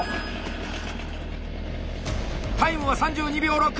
タイムは３２秒６！